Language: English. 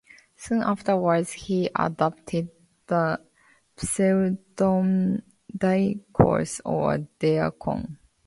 Soon afterwards he adopted the pseudonym "Diakos", or "Deacon".